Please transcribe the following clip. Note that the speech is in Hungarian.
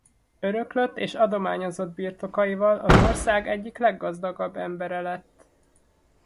Öröklött és adományozott birtokaival az ország egyik leggazdagabb embere lett.